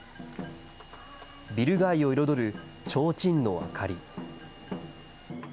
ビル街を彩るちょうちんの明かり。